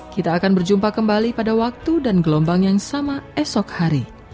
kita akan berjumpa kembali pada waktu dan gelombang yang sama esok hari